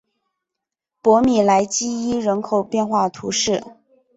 博米莱基伊人口变化图示